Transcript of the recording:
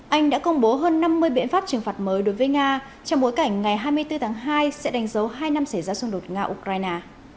anh đã công bố hơn năm mươi biện pháp trừng phạt mới đối với nga trong bối cảnh ngày hai mươi bốn tháng hai sẽ đánh dấu hai năm xảy ra xung đột nga ukraine